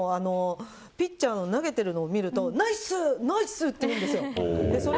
４歳の息子がピッチャーの投げてるの見てるとナイス、ナイスって言うんです。